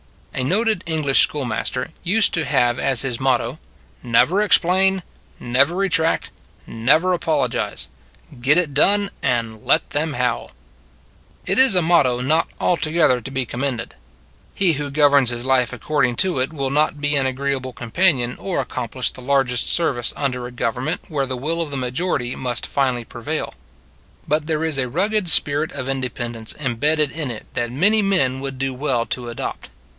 A noted English schoolmaster used to have as his motto : Never explain, never retract, never apologize. Get it> done and let them howl. It is a motto not altogether to be com mended. He who governs his life accord ing to it will not be an agreeable companion or accomplish the largest service under a government where the will of the majority must finally prevail. But there is a rugged spirit of inde pendence embedded in it that many men would do well to adopt.